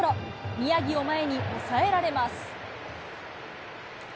宮城を前に、抑えられます。